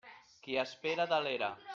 Qui espera delera.